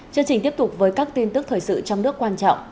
chương trình tiếp tục với các tin tức thời sự trong nước quan trọng